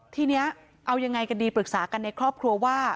ทีนี้เอายังไงกันดีปรึกษากันในครอบครัวว่า